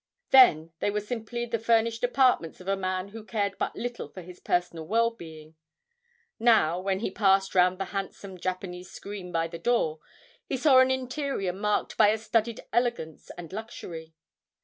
Then they were simply the furnished apartments of a man who cared but little for his personal well being; now, when he passed round the handsome Japanese screen by the door, he saw an interior marked by a studied elegance and luxury.